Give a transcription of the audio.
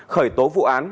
khởi tố vụ án